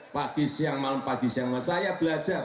pagi siang malam pagi siang malam saya belajar